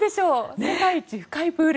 世界一深いプール。